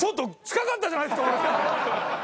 近かったじゃないですか俺！